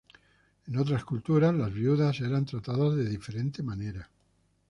En otras culturas, las viudas eran tratadas de diferente manera.